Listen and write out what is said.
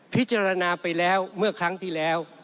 พิจารณาไปแล้วเมื่อครั้งที่แล้ว